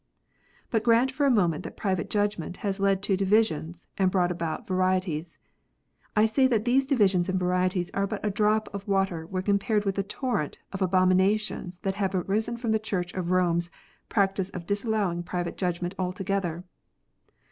But grant for a moment that private judgment has led to divisions, and brought about varieties. I say that these divisions and varieties are but a drop of water when compared with the torrent of abominations that have arisen from the Church of Rome s practice of disallowing private judgment altogether.